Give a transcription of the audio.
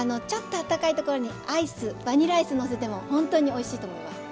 あったかいところにアイスバニラアイスのせてもほんとにおいしいと思います。